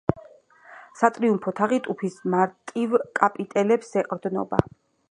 სატრიუმფო თაღი ტუფის მარტივ კაპიტელებს ეყრდნობა.